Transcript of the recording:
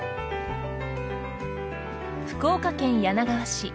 福岡県柳川市